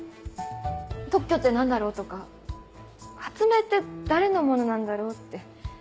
特許って何だろうとか発明って誰のものなんだろうって。